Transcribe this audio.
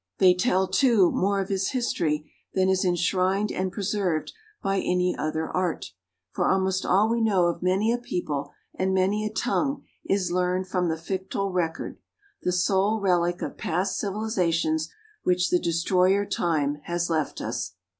They tell, too, more of his history than is enshrined and preserved by any other art; for almost all we know of many a people and many a tongue is learned from the fictile record, the sole relic of past civilisations which the Destroyer Time has left us.